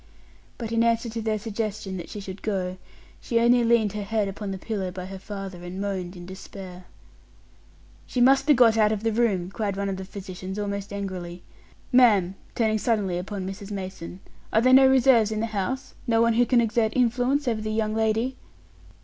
But in answer to their suggestion that she should go, she only leaned her head upon the pillow by her father and moaned in despair. "She must be got out of the room," cried one of the physicians, almost angrily. "Ma'am," turning suddenly upon Mrs. Mason, "are there no reserves in the house no one who can exert influence over the young lady?"